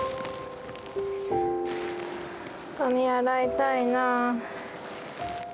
髪洗いたいなあ。